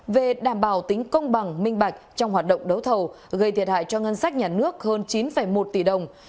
về đảm bảo tính công bằng minh bạch trong hoạt động đấu thầu gây thiệt hại cho ngân sách nhà nước hơn chín một tỷ đồng